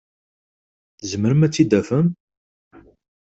Tzemrem ad t-id-tafem?